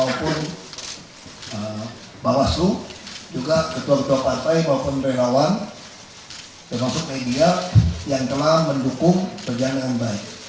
maupun bawaslu juga ketua ketua partai maupun relawan termasuk media yang telah mendukung kerjaan dengan baik